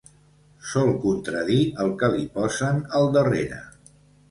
Sol contradir el que li posen al darrere.